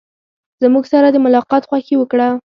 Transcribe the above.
زموږ سره د ملاقات خوښي وکړه.